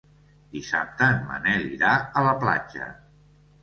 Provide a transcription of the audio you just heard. Dissabte en Manel irà a la platja.